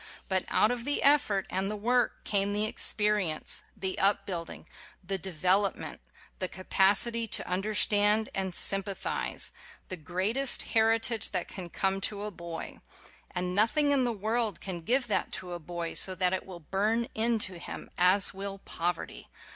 But out of the effort and the work came the experience; the upbuilding; the development ; the capacity to un derstand and sympathize; the greatest heritage that can come to a boy. And nothing in the world can give that to a boy, so that it will burn into him, as will poverty.